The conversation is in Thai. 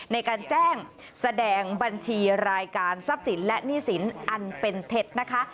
ในการแจ้งแสดงบัญชีรายการทรัพย์สินและหนี้สินอันเป็นเท็จนะคะ